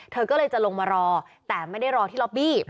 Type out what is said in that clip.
เธอก็เลยจะลงมารอแต่ไม่ได้รอที่ล็อบบี้